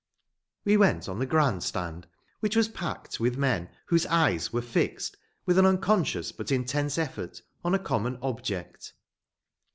III We went on the Grand Stand, which was packed with men whose eyes were fixed, with an unconscious but intense effort, on a common object.